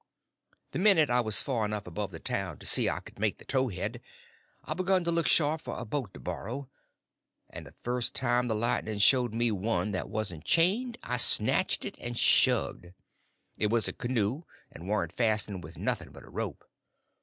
The minute I was far enough above the town to see I could make the towhead, I begun to look sharp for a boat to borrow, and the first time the lightning showed me one that wasn't chained I snatched it and shoved. It was a canoe, and warn't fastened with nothing but a rope.